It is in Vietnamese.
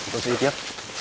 tôi sẽ đi tiếp